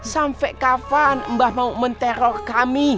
sampe kapan mbah mau menteror kami